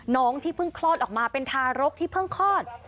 น้องที่เพิ่งคลอดออกมาเป็นทารกที่เพิ่งคลอด